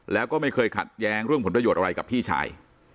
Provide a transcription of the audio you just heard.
แล้วก็ไม่เคยขัดแย้งเรื่องผลประโยชน์อะไรกับพี่ชาย